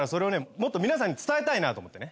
もっと皆さんに伝えたいなって思ってね。